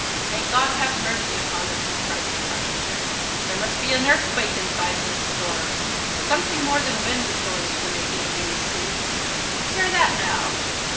"May God have mercy upon us!" cries the carpenter. "There must be an earthquake inside this storm. Something more than wind is going to the making of these seas. Hear that, now!